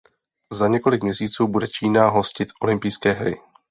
Za několik měsíců bude Čína hostit olympijské hry.